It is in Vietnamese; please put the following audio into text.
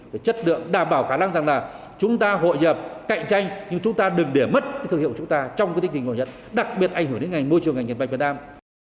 cái chất lượng đảm bảo khả năng rằng là chúng ta hội dập cạnh tranh nhưng chúng ta đừng để mất cái thương hiệu của chúng ta trong cái tình hình hội nhận đặc biệt ảnh hưởng đến môi trường ngành dệt may việt nam